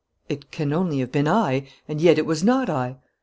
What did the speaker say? "It can only have been I ... and yet it was not I."